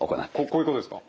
こういうことですか？